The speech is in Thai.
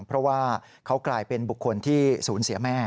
เพราะว่าเขากลายเป็นบุคคลที่ศูนย์เสียแม่